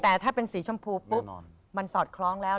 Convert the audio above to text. แต่ถ้าเป็นสีชมพูปุ๊บมันสอดคล้องแล้ว